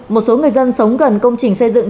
một số người dân sống gần công trình xây dựng